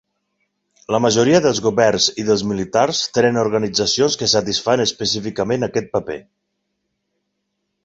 La majoria dels governs i dels militars tenen organitzacions que satisfan específicament aquest paper.